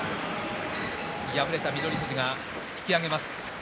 敗れた翠富士が引き揚げます。